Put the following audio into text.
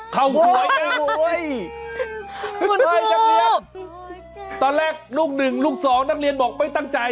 เข้าหวยโอ้โหคุณครูคุณครูตอนแรกลูกหนึ่งลูกสองนักเรียนบอกไม่ตั้งใจ